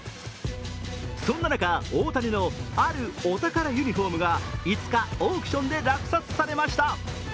そんな中、大谷のあるお宝ユニフォームが５日、オークションで落札されました。